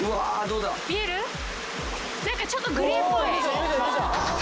何かちょっとグレーっぽい。